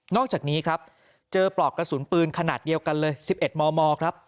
อกจากนี้ครับเจอปลอกกระสุนปืนขนาดเดียวกันเลย๑๑มมครับ